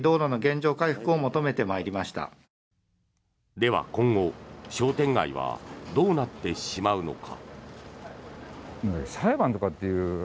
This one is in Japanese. では、今後商店街はどうなってしまうのか。